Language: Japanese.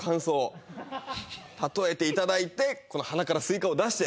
いただいてこの鼻からスイカを出して。